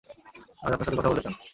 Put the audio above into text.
আজ আপনার সাথে কথা বলতে চান!